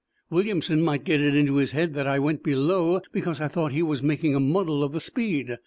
"Williamson might get it into his head that I went below because I thought he was making a muddle of the speed.